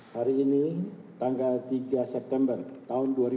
hari ini tanggal tiga september tahun dua ribu dua puluh